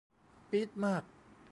ปี๊ดมาก